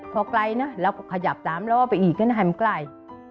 พอไกลนะเราก็ขยับ๓ล้อไปอีกงั้นให้มันไกล